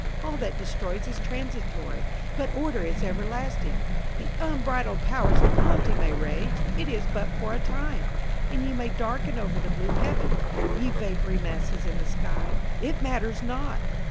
All that destroys is transitory, but order is everlasting. The unbridled powers of cruelty may rage–it is but for a time! And ye may darken over the blue heavens, ye vapoury masses in the sky. It matters not